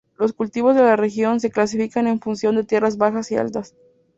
Los cultivos de la región, se clasifican en función de tierras bajas y altas.